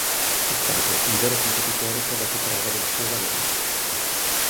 È stato un vero competitore che ha dato prova del suo valore.